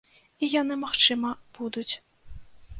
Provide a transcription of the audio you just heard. І яны, магчыма, будуць.